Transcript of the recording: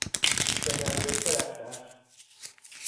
به مدرسه رفته است.